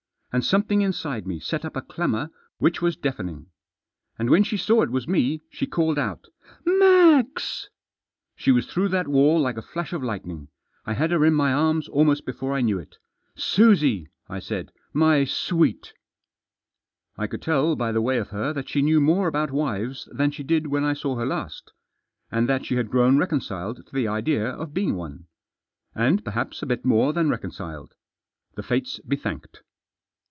And something inside me set up a clamour which was deafening. And when she saw it was me she called out: " Max ! to She was through that wall like a flash of lightning. I had her in my arms almost before I knew it. u Susie !" I said. « My sweet !" I could tell by the way of her that she knew more about wives than she did when I saw her last. And that she had grown reconciled to the idea of being one. And perhaps a bit more than reconciled. The fates be thanked.